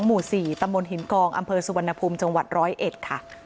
หมู่๔ตำบลหินกองอำเภอสุวรรณภูมิจังหวัดร้อยเอ็ดค่ะ